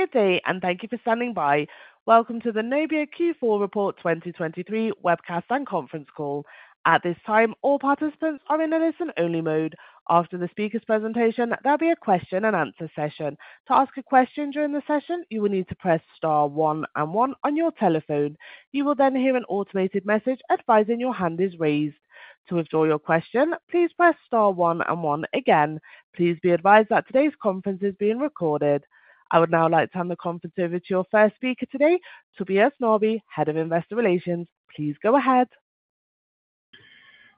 Good day, and thank you for standing by. Welcome to the Nobia Q4 Report 2023 webcast and conference call. At this time, all participants are in a listen-only mode. After the speaker's presentation, there'll be a question and answer session. To ask a question during the session, you will need to press star one and one on your telephone. You will then hear an automated message advising your hand is raised. To withdraw your question, please press star one and one again. Please be advised that today's conference is being recorded. I would now like to hand the conference over to your first speaker today, Tobias Norrby, Head of Investor Relations. Please go ahead.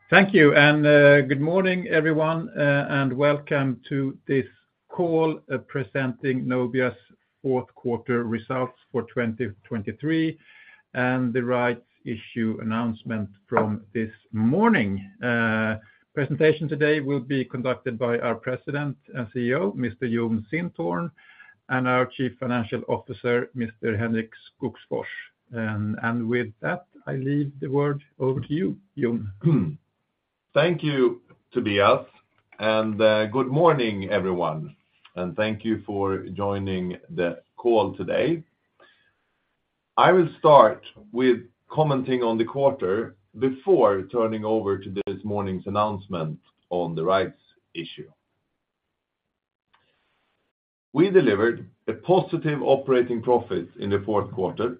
Thank you, and good morning, everyone, and welcome to this call presenting Nobia's fourth quarter results for 2023, and the rights issue announcement from this morning. Presentation today will be conducted by our President and CEO, Mr. Jon Sintorn, and our Chief Financial Officer, Mr. Henrik Skogsfors. And with that, I leave the word over to you, Jon. Thank you, Tobias, and good morning, everyone, and thank you for joining the call today. I will start with commenting on the quarter before turning over to this morning's announcement on the rights issue. We delivered a positive operating profit in the fourth quarter,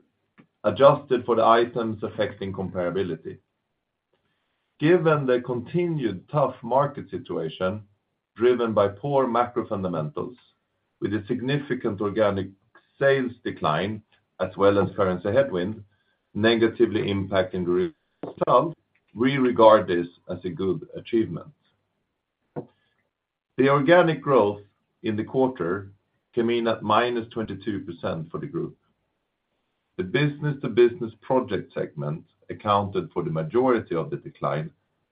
adjusted for the items affecting comparability. Given the continued tough market situation, driven by poor macro fundamentals with a significant organic sales decline, as well as currency headwind, negatively impacting the result, we regard this as a good achievement. The organic growth in the quarter came in at -22% for the group. The business-to-business project segment accounted for the majority of the decline.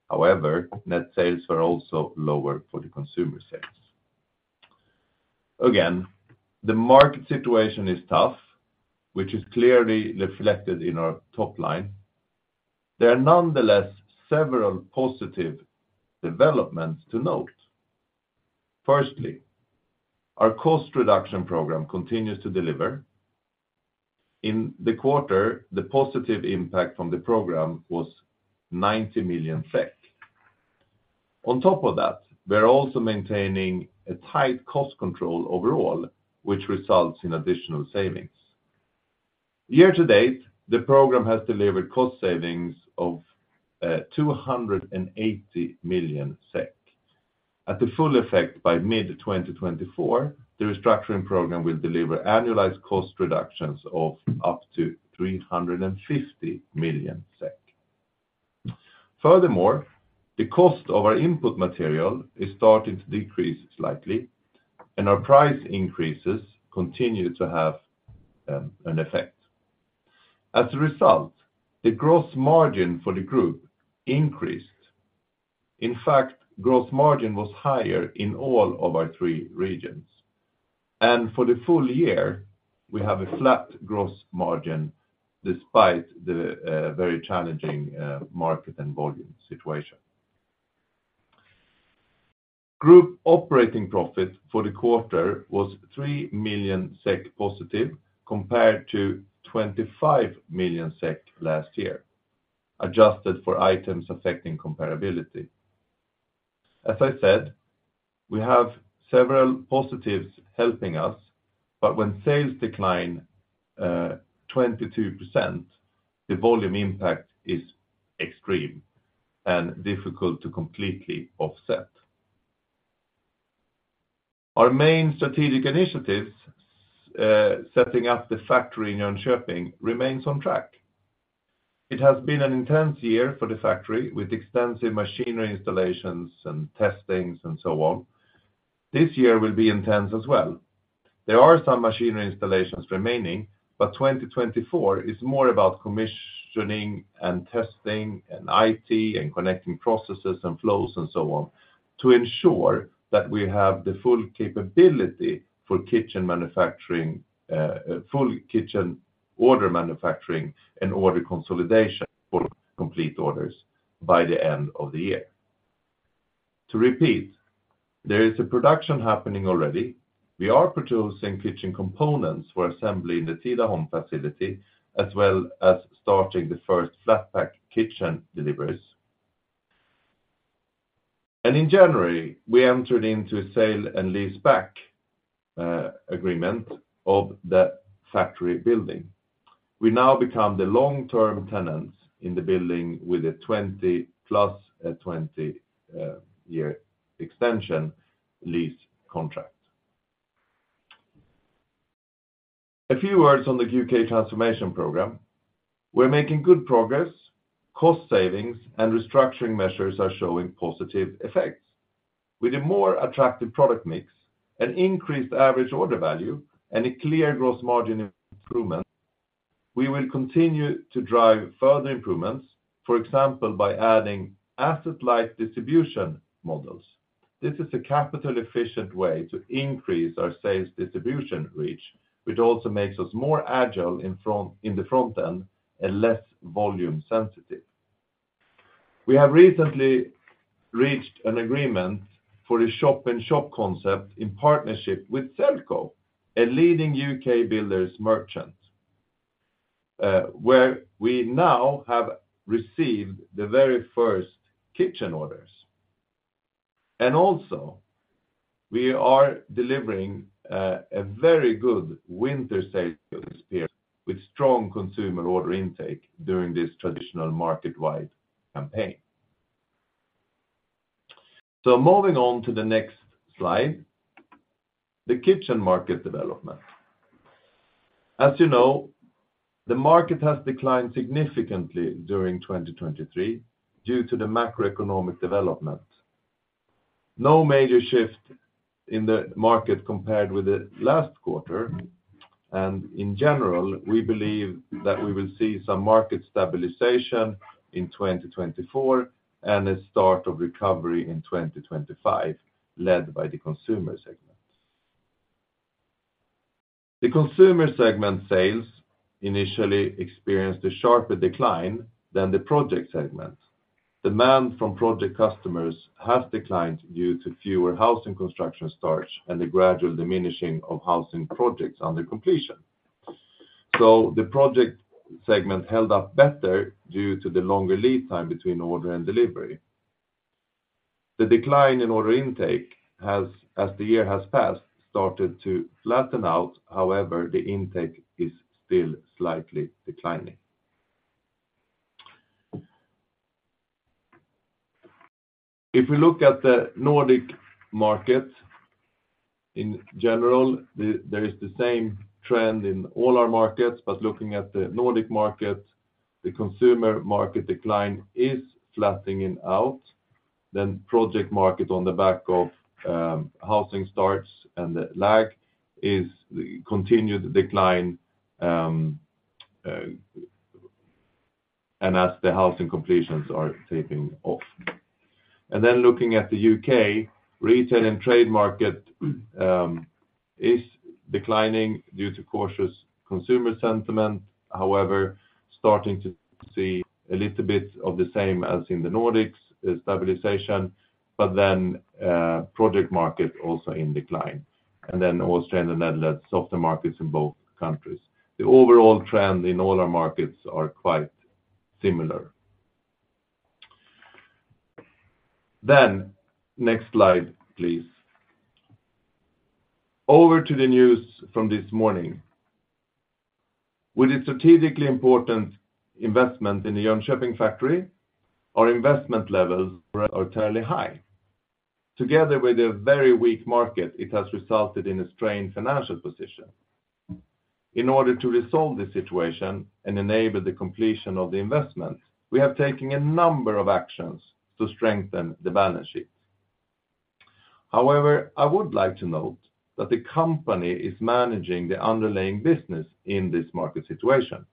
However, net sales are also lower for the consumer sales. Again, the market situation is tough, which is clearly reflected in our top line. There are nonetheless several positive developments to note. Firstly, our cost reduction program continues to deliver. In the quarter, the positive impact from the program was 90 million. On top of that, we're also maintaining a tight cost control overall, which results in additional savings. Year to date, the program has delivered cost savings of 280 million SEK. At the full effect by mid-2024, the restructuring program will deliver annualized cost reductions of up to 350 million SEK. Furthermore, the cost of our input material is starting to decrease slightly, and our price increases continue to have an effect. As a result, the gross margin for the group increased. In fact, gross margin was higher in all of our three regions, and for the full year, we have a flat gross margin despite the very challenging market and volume situation. Group operating profit for the quarter was 3 million SEK positive, compared to 25 million SEK last year, adjusted for items affecting comparability. As I said, we have several positives helping us, but when sales decline, 22%, the volume impact is extreme and difficult to completely offset. Our main strategic initiatives, setting up the factory in Jönköping, remains on track. It has been an intense year for the factory, with extensive machinery installations and testings and so on. This year will be intense as well. There are some machinery installations remaining, but 2024 is more about commissioning and testing, and IT, and connecting processes and flows, and so on, to ensure that we have the full capability for kitchen manufacturing, full kitchen order manufacturing and order consolidation for complete orders by the end of the year. To repeat, there is a production happening already. We are producing kitchen components for assembly in the Tidaholm facility, as well as starting the first flat pack kitchen deliveries. In January, we entered into a sale and leaseback agreement of the factory building. We now become the long-term tenants in the building with a 20+ year extension lease contract. A few words on the U.K. transformation program. We're making good progress. Cost savings and restructuring measures are showing positive effects. With a more attractive product mix, an increased average order value, and a clear gross margin improvement, we will continue to drive further improvements, for example, by adding asset-light distribution models. This is a capital-efficient way to increase our sales distribution reach, which also makes us more agile in the front end and less volume sensitive. We have recently reached an agreement for a shop-in-shop concept in partnership with Selco, a leading U.K. builders merchant, where we now have received the very first kitchen orders. Also, we are delivering a very good winter sales period with strong consumer order intake during this traditional market-wide campaign. Moving on to the next slide, the kitchen market development. As you know, the market has declined significantly during 2023 due to the macroeconomic development. No major shift in the market compared with the last quarter, and in general, we believe that we will see some market stabilization in 2024, and a start of recovery in 2025, led by the consumer segment. The consumer segment sales initially experienced a sharper decline than the project segment. Demand from project customers has declined due to fewer housing construction starts and the gradual diminishing of housing projects under completion. So the project segment held up better due to the longer lead time between order and delivery. The decline in order intake has, as the year has passed, started to flatten out. However, the intake is still slightly declining. If we look at the Nordics market, in general, there is the same trend in all our markets, but looking at the Nordics market, the consumer market decline is flattening out, then project market on the back of housing starts, and the lag is the continued decline, and as the housing completions are tapering off. And then looking at the U.K., retail and trade market is declining due to cautious consumer sentiment. However, starting to see a little bit of the same as in the Nordics, stabilization, but then, project market also in decline, and then also in the Netherlands, softer markets in both countries. The overall trend in all our markets are quite similar. Then, next slide, please. Over to the news from this morning. With a strategically important investment in the Jönköping factory, our investment levels are entirely high. Together with a very weak market, it has resulted in a strained financial position. In order to resolve this situation and enable the completion of the investment, we have taken a number of actions to strengthen the balance sheet. However, I would like to note that the company is managing the underlying business in this market situation.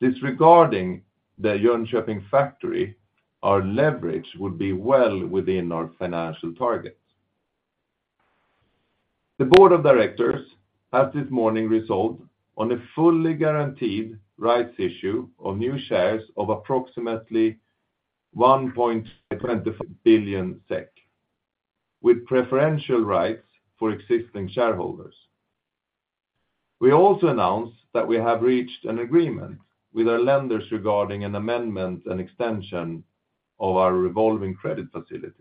Disregarding the Jönköping factory, our leverage would be well within our financial targets. The board of directors at this morning resolved on a fully guaranteed rights issue of new shares of approximately 1.25 billion SEK, with preferential rights for existing shareholders. We also announced that we have reached an agreement with our lenders regarding an amendment and extension of our revolving credit facilities.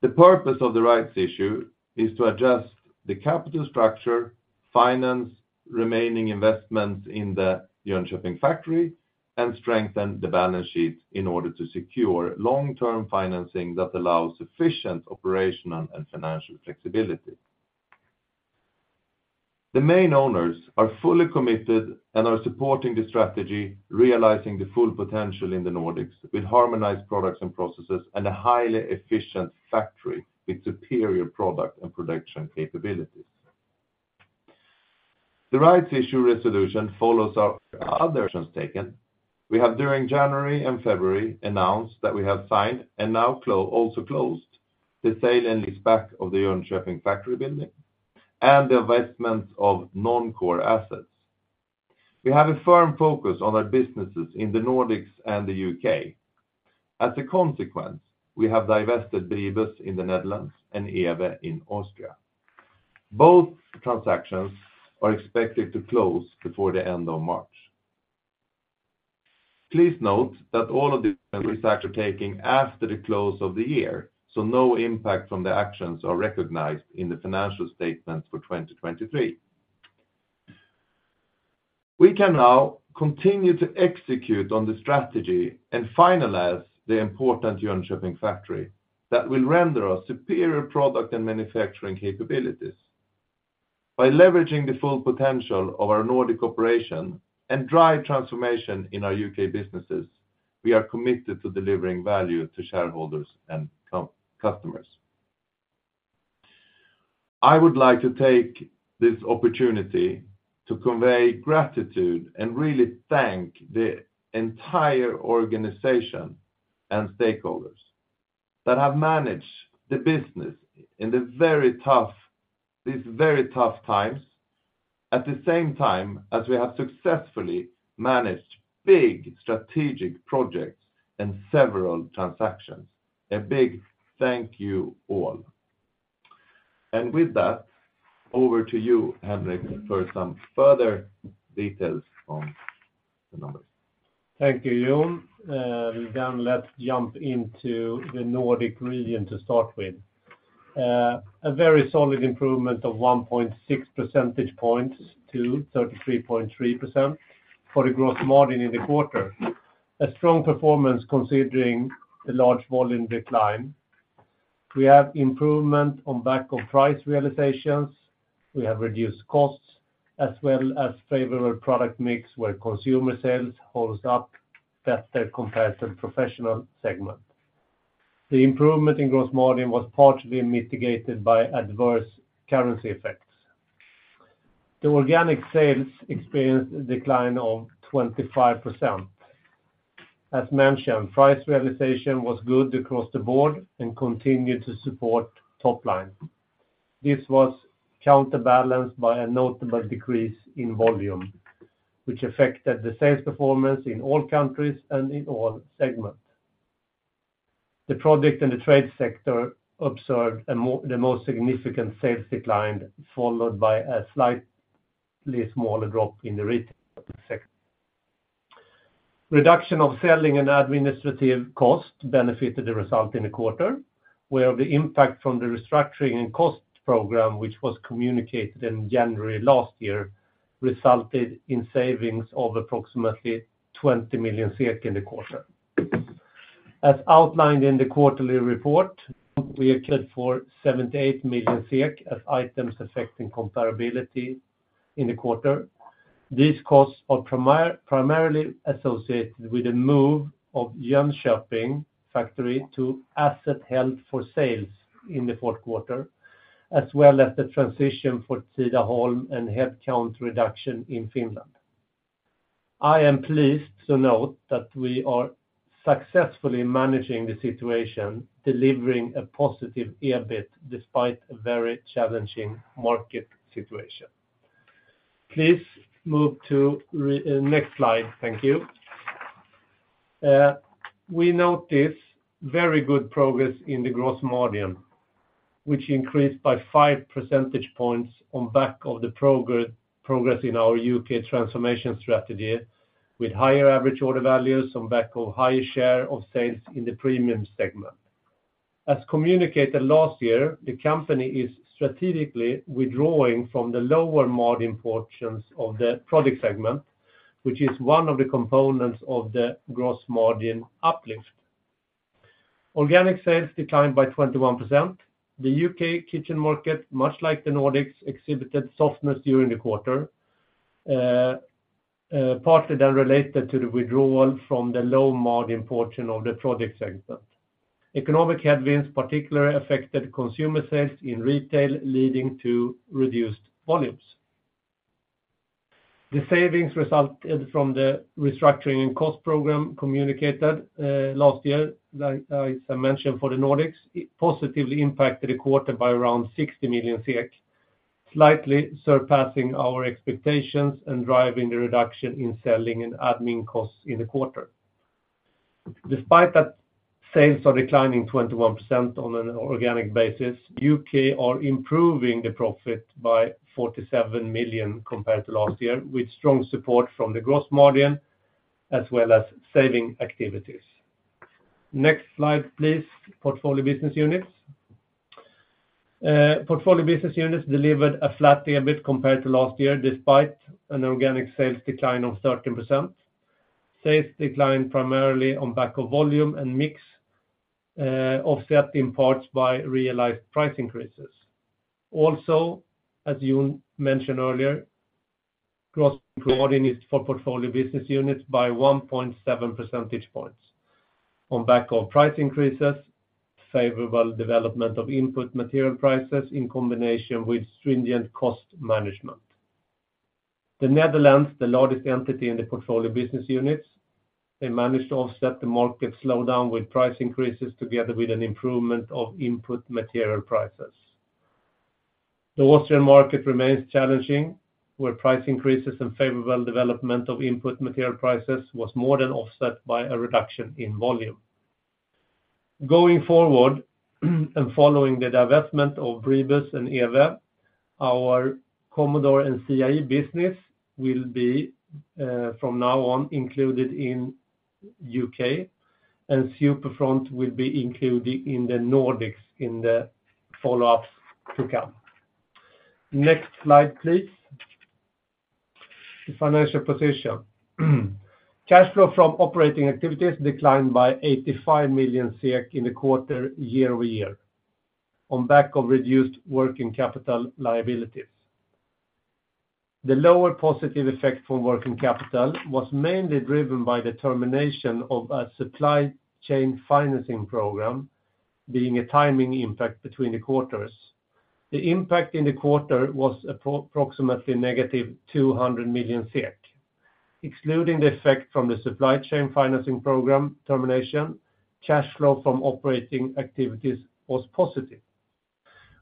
The purpose of the rights issue is to adjust the capital structure, finance remaining investments in the Jönköping factory, and strengthen the balance sheet in order to secure long-term financing that allows sufficient operational and financial flexibility. The main owners are fully committed and are supporting the strategy, realizing the full potential in the Nordics with harmonized products and processes, and a highly efficient factory with superior product and production capabilities. The rights issue resolution follows our other actions taken. We have, during January and February, announced that we have signed and now also closed the sale and leaseback of the Jönköping factory building and the divestment of non-core assets. We have a firm focus on our businesses in the Nordics and the U.K. As a consequence, we have divested Bribus in the Netherlands and ewe in Austria. Both transactions are expected to close before the end of March. Please note that all of these actions are taken after the close of the year, so no impact from the actions are recognized in the financial statements for 2023. We can now continue to execute on the strategy and finalize the important Jönköping factory that will render us superior product and manufacturing capabilities. By leveraging the full potential of our Nordic operation and drive transformation in our U.K. businesses, we are committed to delivering value to shareholders and customers. I would like to take this opportunity to convey gratitude and really thank the entire organization and stakeholders that have managed the business in the very tough, these very tough times. At the same time, as we have successfully managed big strategic projects and several transactions, a big thank you all. With that, over to you, Henrik, for some further details on the numbers. Thank you, Jon. Then let's jump into the Nordic region to start with. A very solid improvement of 1.6 percentage points to 33.3% for the gross margin in the quarter. A strong performance considering the large volume decline. We have improvement on back of price realizations. We have reduced costs as well as favorable product mix, where consumer sales holds up better compared to the professional segment. The improvement in gross margin was partially mitigated by adverse currency effects. The organic sales experienced a decline of 25%. As mentioned, price realization was good across the board and continued to support top line. This was counterbalanced by a notable decrease in volume, which affected the sales performance in all countries and in all segments. The project in the trade sector observed the most significant sales decline, followed by a slightly smaller drop in the retail sector. Reduction of selling and administrative costs benefited the result in the quarter, where the impact from the restructuring and cost program, which was communicated in January last year, resulted in savings of approximately 20 million in the quarter. As outlined in the quarterly report, we accounted for 78 million as items affecting comparability in the quarter. These costs are primarily associated with the move of Jönköping factory to asset held for sales in the fourth quarter, as well as the transition for Tidaholm and headcount reduction in Finland. I am pleased to note that we are successfully managing the situation, delivering a positive EBIT despite a very challenging market situation. Please move to next slide. Thank you. We notice very good progress in the gross margin, which increased by five percentage points on back of the progress in our U.K. transformation strategy, with higher average order values on back of higher share of sales in the premium segment. As communicated last year, the company is strategically withdrawing from the lower margin portions of the product segment, which is one of the components of the gross margin uplift. Organic sales declined by 21%. The U.K. kitchen market, much like the Nordics, exhibited softness during the quarter, partly then related to the withdrawal from the low margin portion of the project segment. Economic headwinds particularly affected consumer sales in retail, leading to reduced volumes. The savings resulted from the restructuring and cost program communicated, last year, like, as I mentioned, for the Nordics, it positively impacted the quarter by around 60 million SEK, slightly surpassing our expectations and driving the reduction in selling and admin costs in the quarter. Despite that, sales are declining 21% on an organic basis. U.K. are improving the profit by 47 million compared to last year, with strong support from the gross margin as well as saving activities. Next slide, please. Portfolio business units. Portfolio business units delivered a flat EBIT compared to last year, despite an organic sales decline of 13%. Sales declined primarily on back of volume and mix, offset in parts by realized price increases. Also, as you mentioned earlier, gross margin is for portfolio business units by 1.7 percentage points on back of price increases, favorable development of input material prices in combination with stringent cost management. The Netherlands, the largest entity in the portfolio business units, they managed to offset the market slowdown with price increases together with an improvement of input material prices. The Austrian market remains challenging, where price increases and favorable development of input material prices was more than offset by a reduction in volume. Going forward, and following the divestment of Bribus and ewe, our Commodore and CIE business will be, from now on, included in U.K., and Superfront will be included in the Nordics in the follow-ups to come. Next slide, please. The financial position. Cash flow from operating activities declined by 85 million in the quarter year-over-year, on back of reduced working capital liabilities. The lower positive effect from working capital was mainly driven by the termination of a supply chain financing program, being a timing impact between the quarters. The impact in the quarter was approximately negative 200 million, excluding the effect from the supply chain financing program termination, cash flow from operating activities was positive.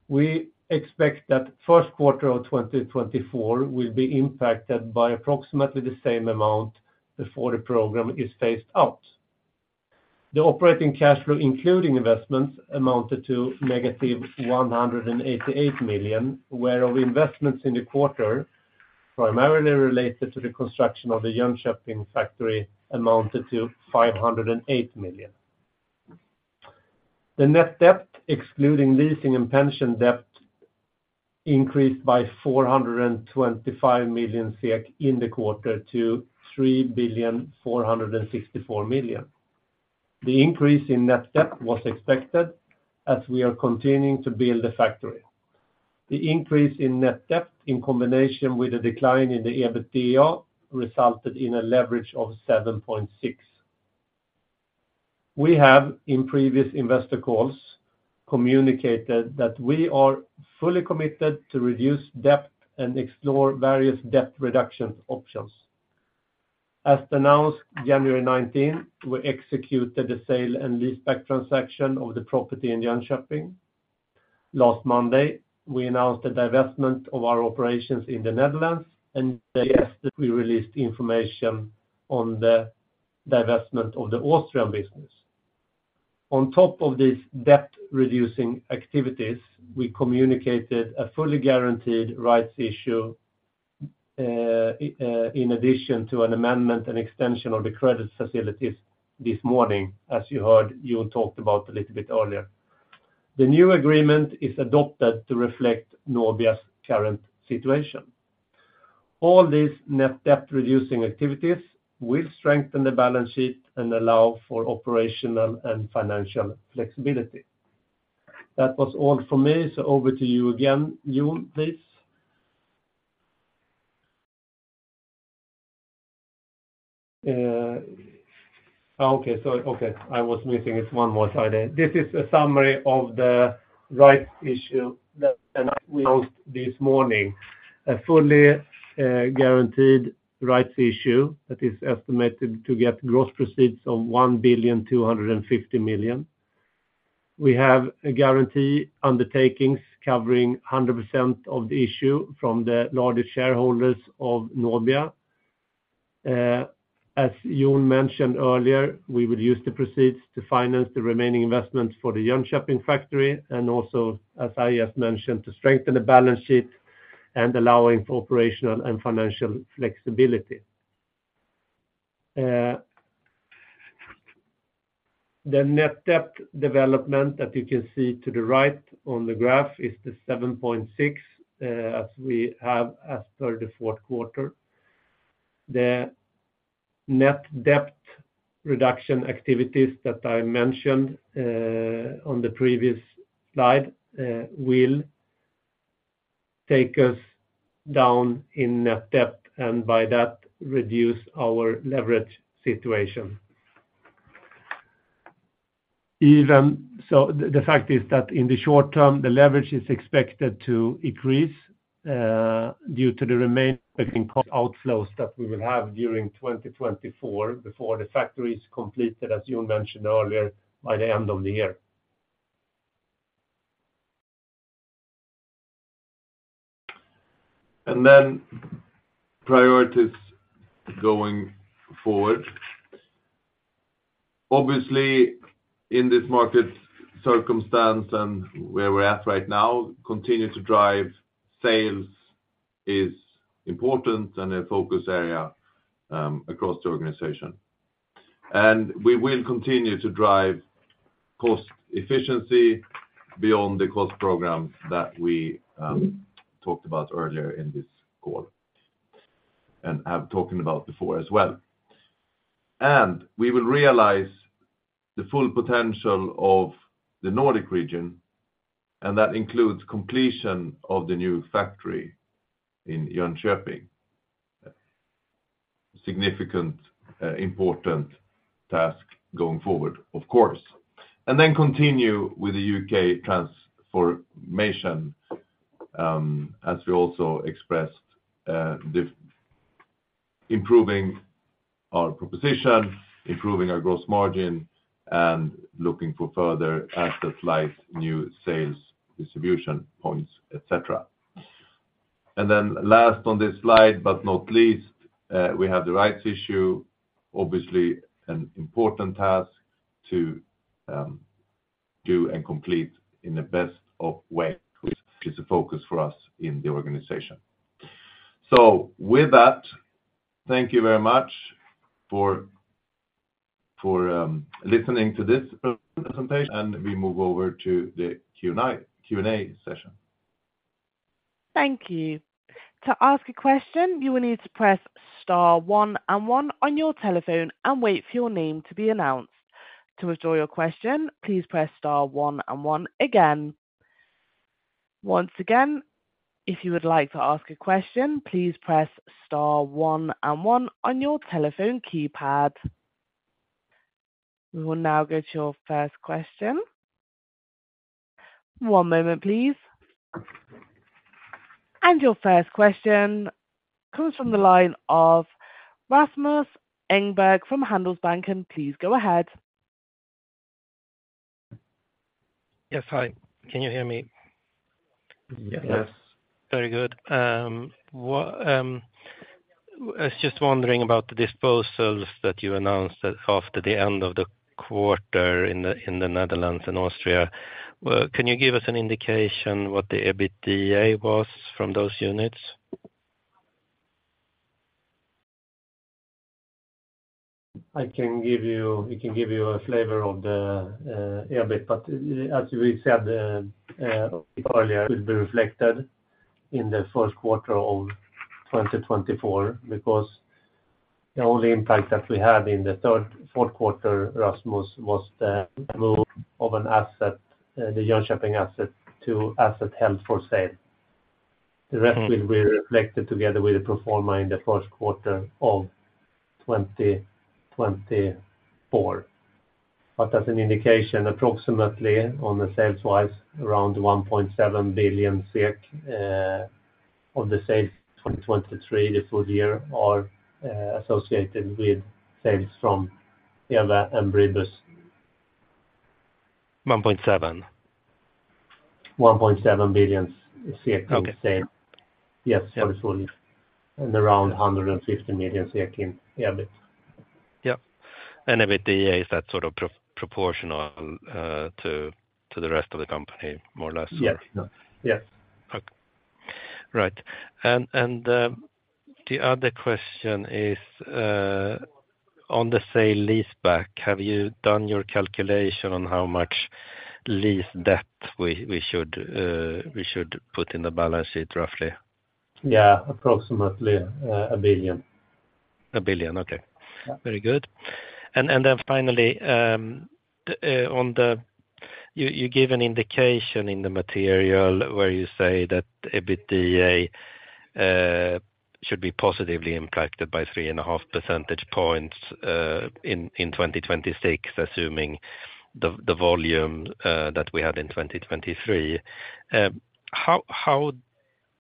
We expect that first quarter of 2024 will be impacted by approximately the same amount before the program is phased out. The operating cash flow, including investments, amounted to negative 188 million, whereof investments in the quarter, primarily related to the construction of the Jönköping factory, amounted to 508 million. The net debt, excluding leasing and pension debt, increased by 425 million SEK in the quarter to 3,464 million. The increase in net debt was expected as we are continuing to build the factory. The increase in net debt, in combination with a decline in the EBITDA, resulted in a leverage of 7.6. We have, in previous investor calls, communicated that we are fully committed to reduce debt and explore various debt reduction options. As announced, January 19, we executed the sale and leaseback transaction of the property in Jönköping. Last Monday, we announced the divestment of our operations in the Netherlands, and yesterday, we released information on the divestment of the Austrian business. On top of these debt-reducing activities, we communicated a fully guaranteed rights issue in addition to an amendment and extension of the credit facilities this morning, as you heard Jon talked about a little bit earlier. The new agreement is adopted to reflect Nobia's current situation. All these net debt-reducing activities will strengthen the balance sheet and allow for operational and financial flexibility. That was all from me, so over to you again, Jon, please. Okay, so, okay, I was missing it one more time. This is a summary of the rights issue that announced this morning. A fully guaranteed rights issue that is estimated to get gross proceeds of 1.25 billion. We have a guarantee undertakings covering 100% of the issue from the largest shareholders of Nobia. As Jon mentioned earlier, we will use the proceeds to finance the remaining investments for the Jönköping factory, and also, as I just mentioned, to strengthen the balance sheet and allowing for operational and financial flexibility. The net debt development that you can see to the right on the graph is the 7.6, as we have as per the fourth quarter. The net debt reduction activities that I mentioned on the previous slide will take us down in net debt, and by that, reduce our leverage situation. So the, the fact is that in the short term, the leverage is expected to increase due to the remaining outflows that we will have during 2024, before the factory is completed, as Jon mentioned earlier, by the end of the year. And then priorities going forward. Obviously, in this market circumstance and where we're at right now, continue to drive sales is important and a focus area, across the organization. And we will continue to drive cost efficiency beyond the cost program that we talked about earlier in this call, and have talked about before as well. And we will realize the full potential of the Nordic region, and that includes completion of the new factory in Jönköping. Significant, important task going forward, of course. And then continue with the U.K. transformation, as we also expressed, the improving our proposition, improving our gross margin, and looking for further asset-light new sales distribution points, et cetera. And then last on this slide, but not least, we have the rights issue, obviously an important task to do and complete in the best of way, which is a focus for us in the organization. So with that, thank you very much for listening to this presentation, and we move over to the Q&A session. Thank you. To ask a question, you will need to press star one and one on your telephone and wait for your name to be announced. To withdraw your question, please press star one and one again. Once again, if you would like to ask a question, please press star one and one on your telephone keypad. We will now go to your first question.... One moment, please. And your first question comes from the line of Rasmus Engberg from Handelsbanken. Please go ahead. Yes. Hi, can you hear me? Yes. Very good. What, I was just wondering about the disposals that you announced that after the end of the quarter in the Netherlands and Austria. Well, can you give us an indication what the EBITDA was from those units? We can give you a flavor of the EBIT, but as we said earlier, it will be reflected in the first quarter of 2024, because the only impact that we had in the fourth quarter, Rasmus, was the move of an asset, the Jönköping asset to asset held for sale. The rest will be reflected together with the pro forma in the first quarter of 2024. But as an indication, approximately on the sales wise, around 1.7 billion of the sales 2023, the full year, are associated with sales from ewe and Bribus. 1.7? SEK 1.7 billion in sales. Okay. Yes, absolutely. And around SEK 150 million in EBIT. Yep. And EBITDA, is that sort of proportional to the rest of the company, more or less? Yes. Yes. Okay. Right. And, the other question is, on the sale and leaseback, have you done your calculation on how much lease debt we should put in the balance sheet, roughly? Yeah, approximately 1 billion. 1 billion. Okay. Yeah. Very good. And then finally, on the... You give an indication in the material where you say that EBITDA should be positively impacted by 3.5 percentage points in 2026, assuming the volume that we had in 2023. How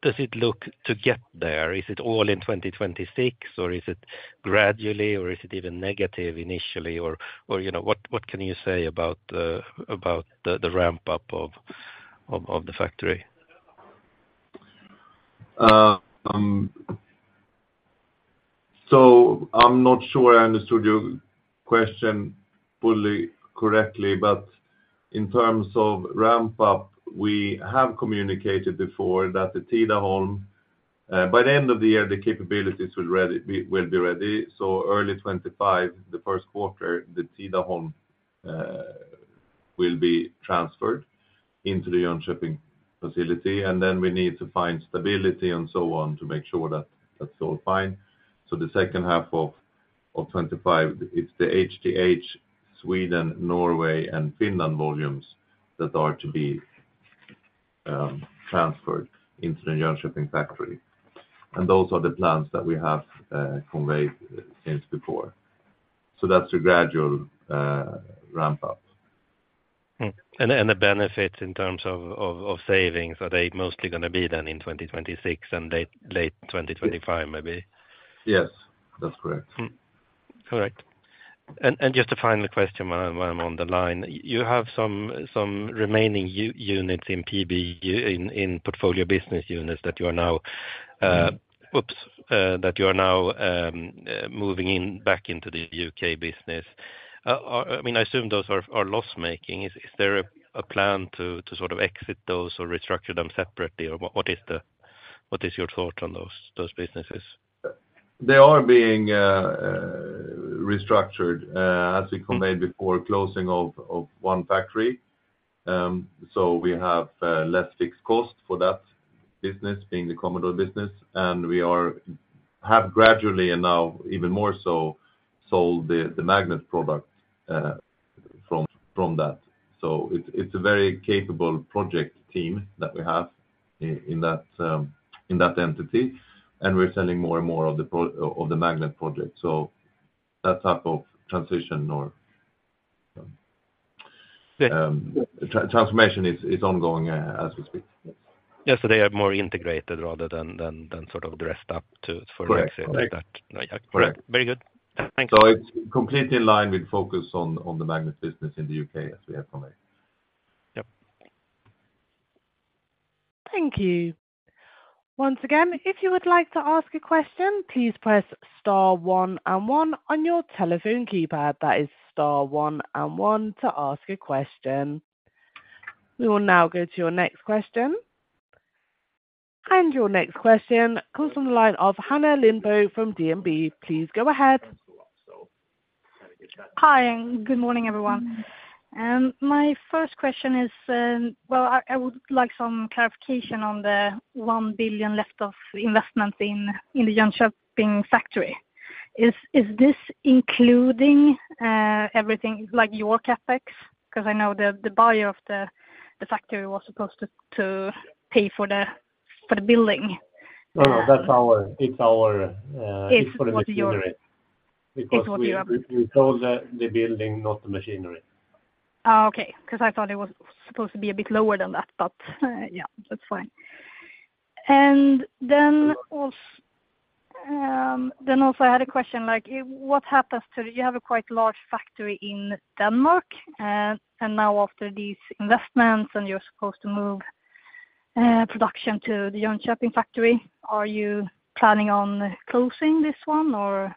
does it look to get there? Is it all in 2026, or is it gradually, or is it even negative initially? Or, you know, what can you say about the ramp-up of the factory? So I'm not sure I understood your question fully correctly, but in terms of ramp up, we have communicated before that the Tidaholm by the end of the year, the capabilities will be ready. So early 2025, the first quarter, the Tidaholm will be transferred into the Jönköping facility, and then we need to find stability and so on, to make sure that that's all fine. So the second half of 2025, it's the HTH Sweden, Norway, and Finland volumes that are to be transferred into the Jönköping factory. And those are the plans that we have conveyed since before. So that's a gradual ramp up. And the benefits in terms of savings, are they mostly gonna be then in 2026 and late 2025, maybe? Yes, that's correct. Mm. Correct. And just a final question while I'm on the line, you have some remaining units in PBU, in portfolio business units, that you are now moving back into the U.K. business. I mean, I assume those are loss making. Is there a plan to sort of exit those or restructure them separately? Or what is your thought on those businesses? They are being restructured as we conveyed before closing of one factory. So we have less fixed cost for that business, being the Commodore business, and we have gradually, and now even more so, sold the Magnet product from that. So it's a very capable project team that we have in that entity, and we're selling more and more of the Magnet project. So that type of transition or Yeah. Transformation is ongoing, as we speak. Yes, so they are more integrated rather than sort of dressed up to, for exit like that. Correct. Very good. Thank you. It's completely in line with focus on the Magnet business in the U.K., as we have conveyed. Yep. Thank you. Once again, if you would like to ask a question, please press star one and one on your telephone keypad. That is star one and one to ask a question. We will now go to your next question. Your next question comes from the line of Hanna Lindbo from DNB. Please go ahead. Hi, and good morning, everyone. My first question is, well, I would like some clarification on the 1 billion left of investment in the Jönköping factory. Is this including everything like your CapEx? 'Cause I know the buyer of the factory was supposed to pay for the building. No, no, that's our... It's our, It's what you-... Because we sold the building, not the machinery. Ah, okay, because I thought it was supposed to be a bit lower than that, but yeah, that's fine. And then also I had a question, like, what happens to... You have a quite large factory in Denmark, and now after these investments, and you're supposed to move production to the Jönköping factory, are you planning on closing this one or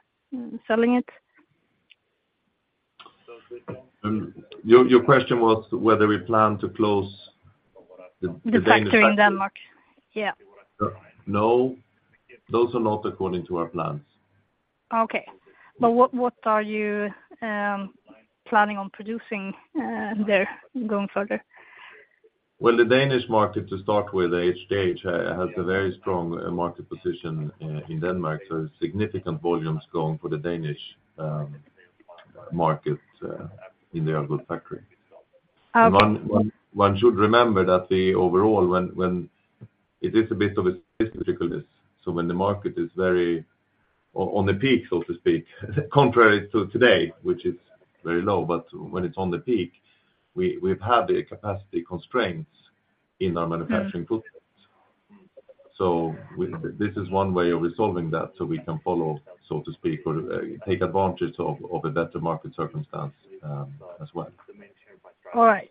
selling it? Your question was whether we plan to close the Danish factory? The factory in Denmark, yeah. No, those are not according to our plans. Okay. But what are you planning on producing there going further? Well, the Danish market, to start with, HTH has a very strong market position in Denmark, so significant volumes going for the Danish market in their good factory. Okay. One should remember that the overall, when it is a bit of a statisticalness, so when the market is very on the peak, so to speak, contrary to today, which is very low, but when it's on the peak, we've had the capacity constraints in our manufacturing footprint. So this is one way of resolving that, so we can follow, so to speak, or take advantage of a better market circumstance, as well. All right.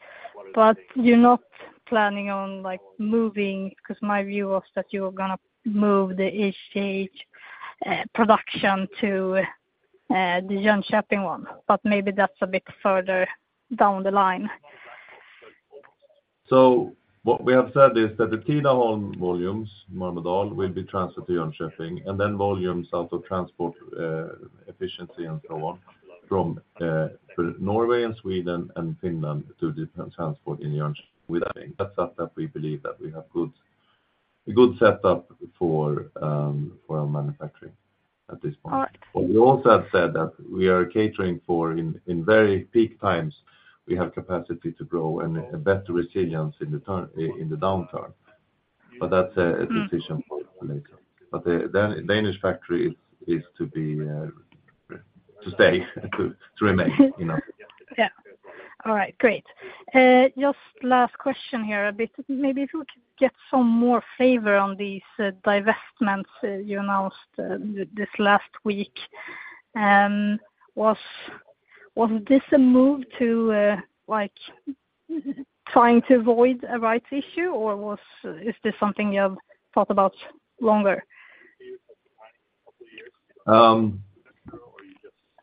But you're not planning on, like, moving, 'cause my view was that you were gonna move the HTH production to the Jönköping one, but maybe that's a bit further down the line. So what we have said is that the Tidaholm volumes, Mölndal, will be transferred to Jönköping, and then volumes out of transport efficiency and so on from Norway, and Sweden, and Finland to different transport in Jönköping. With that, that we believe that we have good, a good setup for for our manufacturing at this point. All right. But we also have said that we are catering for in very peak times, we have capacity to grow and a better resilience in the downturn. But that's a decision- Mm. -for later. But the Danish factory is to stay, to remain, you know? Yeah. All right, great. Just last question here, a bit, maybe if we could get some more flavor on these divestments you announced this last week. Was this a move to like trying to avoid a rights issue, or was... Is this something you have thought about longer?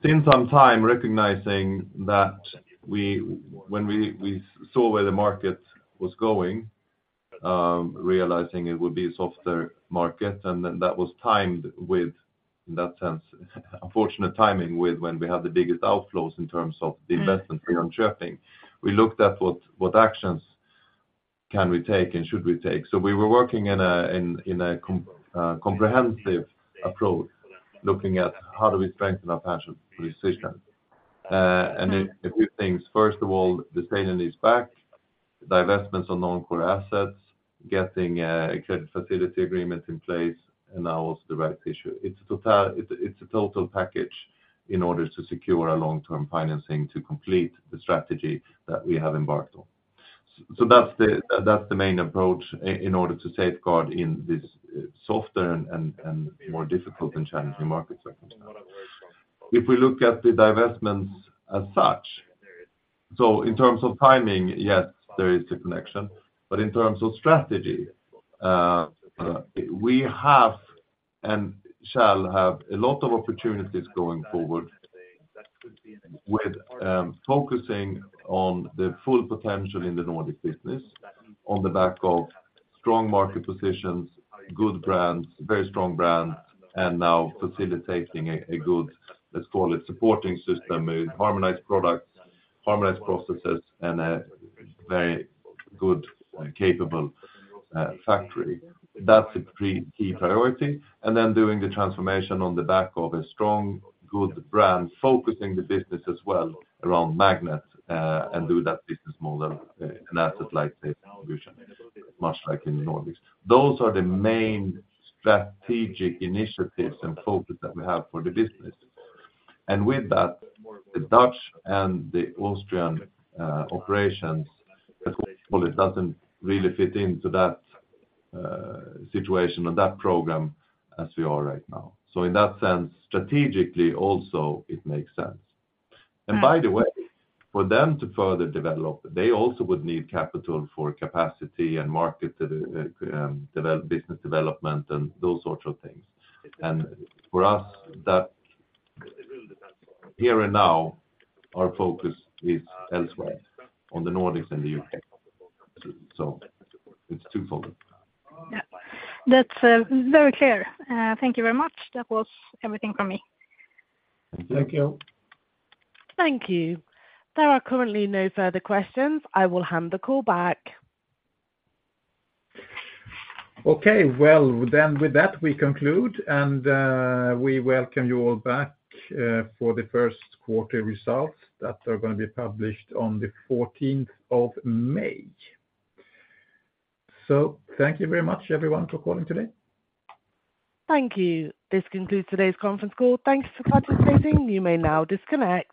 In some time, recognizing that when we saw where the market was going, realizing it would be a softer market, and then that was timed with, in that sense, unfortunate timing with when we had the biggest outflows in terms of the investment in Jönköping. Mm. We looked at what actions can we take, and should we take? So we were working in a comprehensive approach, looking at how do we strengthen our financial position? And then a few things, first of all, the sale and leaseback, divestments on non-core assets, getting a credit facility agreement in place, and now also the rights issue. It's a total package in order to secure our long-term financing to complete the strategy that we have embarked on. So that's the main approach in order to safeguard in this softer and more difficult and challenging market circumstance. If we look at the divestments as such, so in terms of timing, yes, there is a connection. But in terms of strategy, we have and shall have a lot of opportunities going forward with, focusing on the full potential in the Nordic business, on the back of strong market positions, good brands, very strong brands, and now facilitating a good, let's call it, supporting system with harmonized products, harmonized processes, and a very good and capable factory. That's a key priority. And then doing the transformation on the back of a strong, good brand, focusing the business as well around Magnet, and do that business model, an asset-light distribution, much like in the Nordics. Those are the main strategic initiatives and focus that we have for the business. And with that, the Dutch and the Austrian operations, well, it doesn't really fit into that situation or that program as we are right now. In that sense, strategically also, it makes sense. Mm. And by the way, for them to further develop, they also would need capital for capacity and market, business development and those sorts of things. And for us, that here and now, our focus is elsewhere, on the Nordics and the UK. So it's twofold. Yeah. That's very clear. Thank you very much. That was everything from me. Thank you. Thank you. Thank you. There are currently no further questions. I will hand the call back. Okay, well, then with that, we conclude, and we welcome you all back for the first quarter results that are gonna be published on the fourteenth of May. So thank you very much, everyone, for calling today. Thank you. This concludes today's conference call. Thanks for participating. You may now disconnect.